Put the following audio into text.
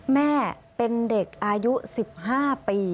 แม่เป็นเด็กอายุ๑๕ปี